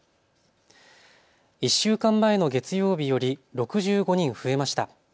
１週間前の月曜日より６５人増えました。